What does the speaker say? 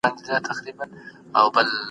ایا کوچني پلورونکي تور ممیز پروسس کوي؟